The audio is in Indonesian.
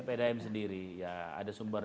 pdm sendiri ada sumber